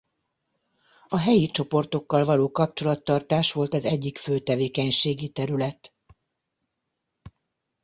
A helyi csoportokkal való kapcsolattartás volt az egyik fő tevékenységi terület.